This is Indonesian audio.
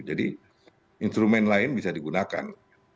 jadi instrumen lain bisa digunakan